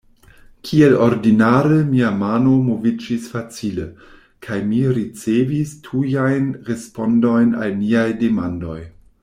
Kiel ordinare, mia mano moviĝis facile, kaj mi ricevis tujajn respondojn al niaj demandoj.